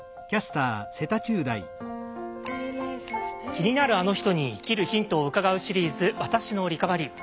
気になるあの人に生きるヒントを伺うシリーズ「私のリカバリー」。